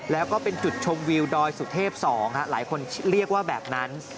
แล้วก็เป็นจุดชมวิวดอยสุเทพ๒หลายคนเรียกว่าแบบนั้น